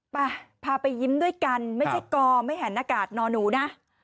ไปพาไปยิ้มด้วยกันไม่ใช่กอไม่หันหน้ากากนอนหนูนะ